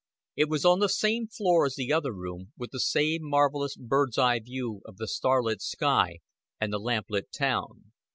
It was on the same floor as the other room, with the same marvelous bird's eye view of the starlit sky and the lamplit town.